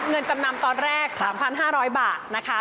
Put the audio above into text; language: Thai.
เงินจำนำตอนแรก๓๕๐๐บาทนะคะ